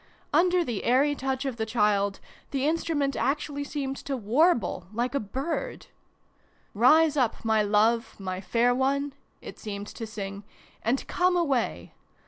Under the airy touch of the child, the instrument actually seemed to warble, like a bird. " Rise up, my love, my fair one" it seemed to sing, " and come away